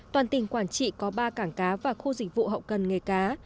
toàn tỉnh quảng trị có ba cảng cá và khu dịch vụ hậu cần nghề cá